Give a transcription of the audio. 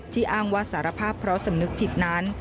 อ้างว่าสารภาพเพราะสำนึกผิดนั้น